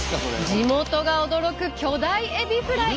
地元が驚く巨大エビフライ。